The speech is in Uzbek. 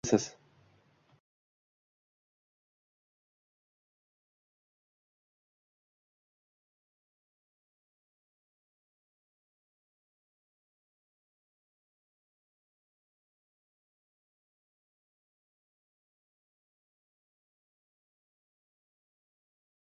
bir fasllik yoʼl bor, lolajon